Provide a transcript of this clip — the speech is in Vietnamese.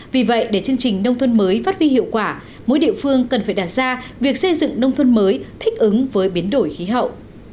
vì vậy để chương trình nông thôn mới phát huy hiệu quả mỗi địa phương cần phải đặt ra việc xây dựng nông thôn mới thích ứng với biến đổi khí hậu